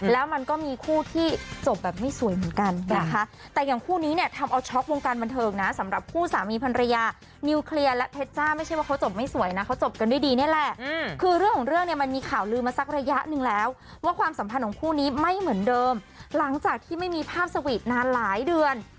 และมันก็มีคู่ที่จบแบบไม่สวยเหมือนกัน